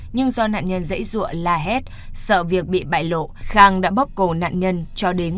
nhưng do nạn nhân dãy rụa la hét sợ việc bị bại lộ khang đã bóp cổ nạn nhân cho đến